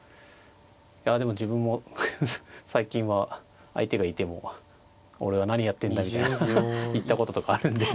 いやでも自分も最近は相手がいても俺は何やってんだみたいな言ったこととかあるんで。